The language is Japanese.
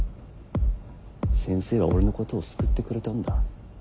先生は俺のことを救ってくれたんだ。